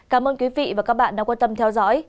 cảm ơn quý vị và các bạn đã quan tâm theo dõi